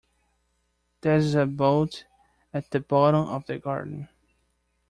There's a boat at the bottom of the garden.